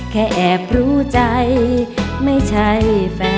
แอบรู้ใจไม่ใช่แฟน